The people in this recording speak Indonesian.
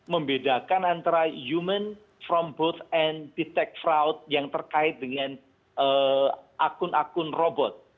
membedakan antara human from both and detect fraud yang terkait dengan akun akun robot